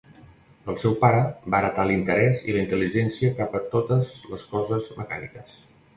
Del seu pare, va heretar l'interès i la intel·ligència cap a totes les coses mecàniques.